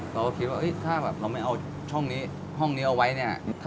เสร็จแนะนำอย่างเรื่อย